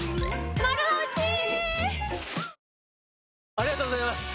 ありがとうございます！